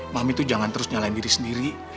mami itu jangan terus nyalain diri sendiri